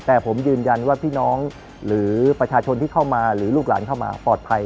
แต่ผมยืนยันว่าพี่น้องหรือประชาชนที่เข้ามาหรือลูกหลานเข้ามาปลอดภัย